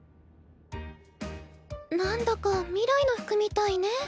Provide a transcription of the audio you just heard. なんだか未来の服みたいね。